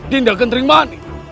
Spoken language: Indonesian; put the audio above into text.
d tidak kenterimbang